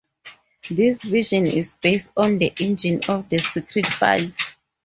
This version is based on the engine of The Secret Files.